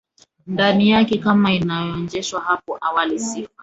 ndani yake Kama ilivyoonyeshwa hapo awali sifa